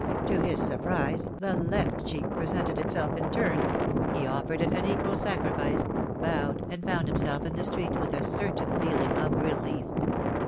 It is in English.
To his surprise, the left cheek presented itself in turn; he offered it an equal sacrifice, bowed, and found himself in the street with a certain feeling of relief.